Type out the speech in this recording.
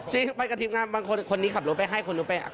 จริงไปกับทีมงานบางคนคนนี้ขับรถไปให้คนอื่นไปให้